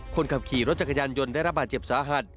คนขับขี่รถจักรยานยนต์ได้รับบาดเจ็บสาหัส